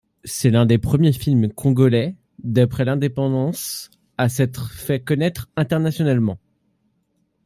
C'est l'un des premiers films congolais d'après l'indépendance à s'être fait connaître internationalement.